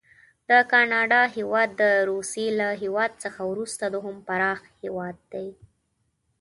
د کاناډا هیواد د روسي له هیواد څخه وروسته دوهم پراخ هیواد دی.